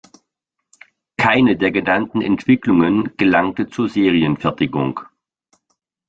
Keine der genannten Entwicklungen gelangte zur Serienfertigung.